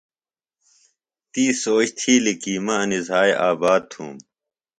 تی سوچ تِھیلیۡ کی مہ انیۡ زھائی آباد تُھوم۔